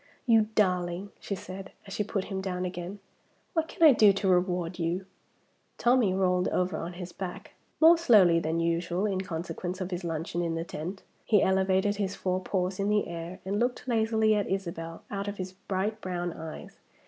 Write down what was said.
"You darling!" she said, as she put him down again, "what can I do to reward you?" Tommie rolled over on his back more slowly than usual, in consequence of his luncheon in the tent. He elevated his four paws in the air and looked lazily at Isabel out of his bright brown eyes.